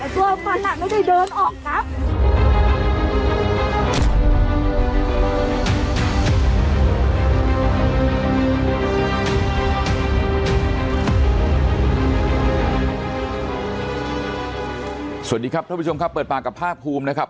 สวัสดีครับท่านผู้ชมครับเปิดปากกับภาคภูมินะครับ